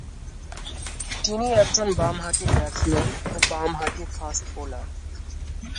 তিনি একজন বাম-হাতি ব্যাটসম্যান ও বাম-হাতি ফাস্ট বোলার।